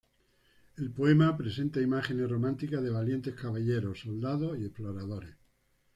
El poema presenta imágenes románticas de valientes caballeros, soldados y exploradores.